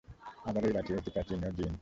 আবার ঐ বাটী অতি প্রাচীন ও জীর্ণ।